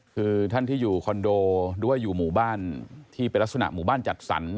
คือท่านที่อยู่คอนโดหรือว่าอยู่หมู่บ้านที่เป็นลักษณะหมู่บ้านจัดสรร